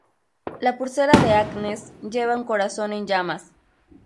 La pulsera de Agnes lleva un corazón en llamas.